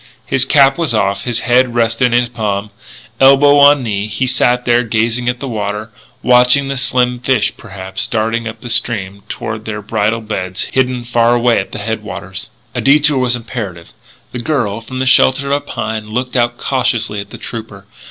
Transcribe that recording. His cap was off; his head rested on his palm. Elbow on knee, he sat there gazing at the water watching the slim fish, perhaps, darting up stream toward their bridal beds hidden far away at the headwaters. A detour was imperative. The girl, from the shelter of a pine, looked out cautiously at the trooper.